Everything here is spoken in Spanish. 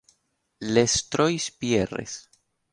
Les Trois-Pierres